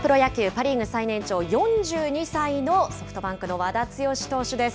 パ・リーグ最年長、４２歳のソフトバンクの和田毅投手です。